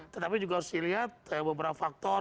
tetapi juga harus dilihat beberapa faktor